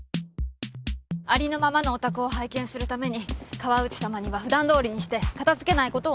ありのままのお宅を拝見するために河内様にはふだんどおりにして片づけないことをお願いしてます。